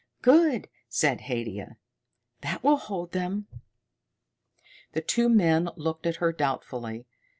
"Good," said Haidia. "That will hold them." The two men looked at her doubtfully.